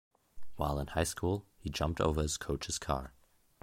While in high school, he jumped over his coach's car.